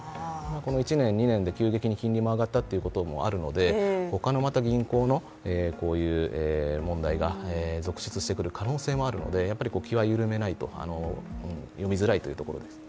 この１年、２年で急激に金利が上がったということもありますので他の銀行のこういう問題が続出してくる可能性もあるので気は緩めない、読みづらいというところですね。